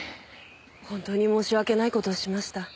本当に申し訳ない事をしました。